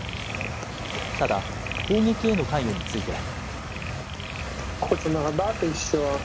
ただ、攻撃への関与については。